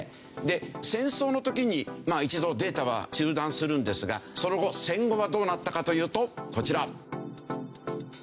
で戦争の時に一度データは中断するんですがその後戦後はどうなったかというとこちら。